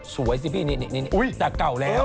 สวยสิพี่นี่แต่เก่าแล้ว